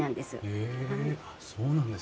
へえあっそうなんですね。